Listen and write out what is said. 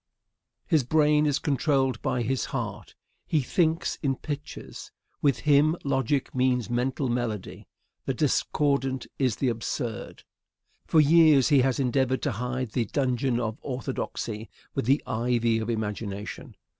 His brain is controlled by his heart. He thinks in pictures. With him logic means mental melody. The discordant is the absurd. For years he has endeavored to hide the dungeon of orthodoxy with the ivy of imagination.